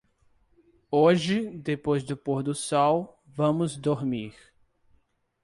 hoje, depois do pôr-do-sol, vamos dormir.